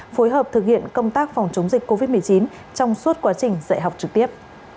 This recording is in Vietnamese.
phối hợp thực hiện công tác phòng chống dịch covid một mươi chín trong suốt quá trình dạy học trực tiếp